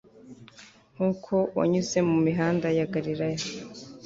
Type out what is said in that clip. nkuko wanyuze mumihanda ya galilaya